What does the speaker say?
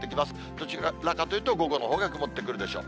どちらかというと、午後のほうが曇ってくるでしょう。